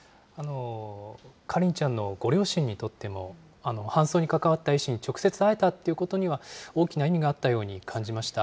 花梨ちゃんのご両親にとっても、搬送に関わった医師に直接会えたということには、大きな意味があったように感じました。